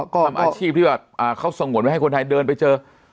ทำอาชีพที่แบบเขาสงวนไว้ให้คนไทยเดินไปเจอ